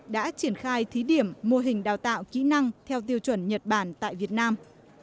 đã triển khai thí điểm mô hình đào tạo kỹ năng theo tiêu chuẩn nhật bản tại việt nam